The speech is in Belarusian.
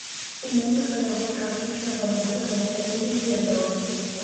І музыка яго практычна пазбавілася інды-дзебраў.